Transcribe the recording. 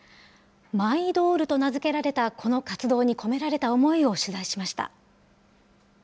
マイドールと名付けられたこの活動に込められた思いを取材しました。